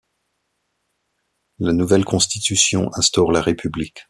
La nouvelle Constitution instaure la République.